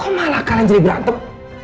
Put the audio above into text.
oh malah kalian jadi berantem